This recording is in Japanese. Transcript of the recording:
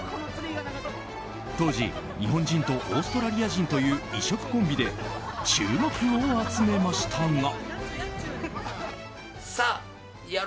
当時、日本人とオーストラリア人という異色コンビで注目を集めましたが。